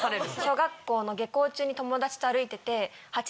小学校の下校中に友達と歩いてて。